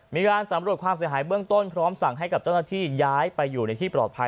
มีการสำรวจความเสียหายเบื้องต้นพร้อมสั่งให้กับเจ้าหน้าที่ย้ายไปอยู่ในที่ปลอดภัย